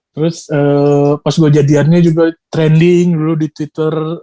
terus pas gue jadiannya juga trending dulu di twitter